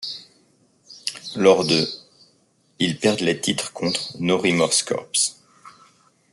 Lors de ', ils perdent les titres contre No Remorse Corps.